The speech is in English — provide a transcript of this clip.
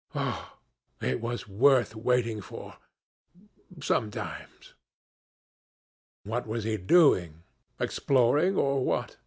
'Ah, it was worth waiting for! sometimes.' 'What was he doing? exploring or what?'